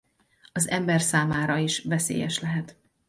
Az ember számára is veszélyes lehet.